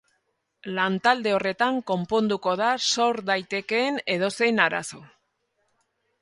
Lantalde horretan konponduko da sor daitekeen edozein arazo.